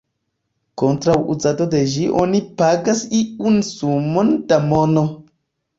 Kontraŭ uzado de ĝi oni pagas iun sumon da mono.